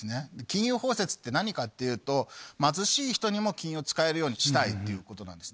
金融包摂って何かっていうと貧しい人にも金融を使えるようにしたいっていうことなんです。